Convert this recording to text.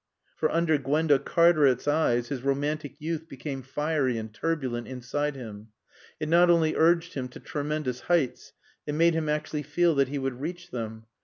For under Gwenda Cartaret's eyes his romantic youth became fiery and turbulent inside him. It not only urged him to tremendous heights, it made him actually feel that he would reach them.